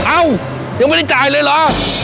เอ้ายังไม่ได้จ่ายเลยเหรอ